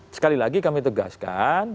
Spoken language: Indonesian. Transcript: sekali lagi kami tegaskan